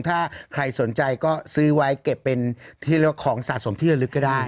ถ้าใครสนใจก็ซื้อไว้เก็บเป็นของสะสมที่ละลึกก็ได้